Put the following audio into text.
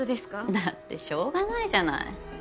だってしょうがないじゃない。